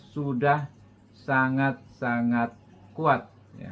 sudah sangat sangat kuat